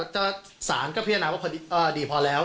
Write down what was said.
ถ้าสารก็พิจารณาว่าพอดีพอแล้ว